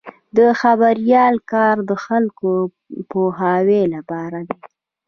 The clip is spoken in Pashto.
د خبریال کار د خلکو د پوهاوي لپاره دی.